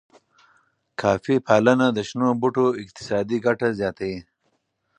کافی پالنه د شنو بوټو اقتصادي ګټه زیاتوي.